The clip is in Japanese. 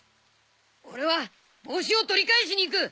俺は帽子を取り返しに行く。